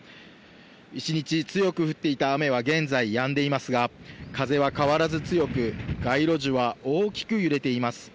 一日強く降っていた雨は現在、やんでいますが、風は変わらず強く、街路樹は大きく揺れています。